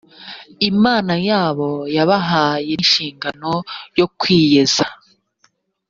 imana yabo yabahaye n inshingano yo kwiyeza